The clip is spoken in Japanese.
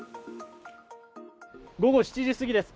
午後７時過ぎです。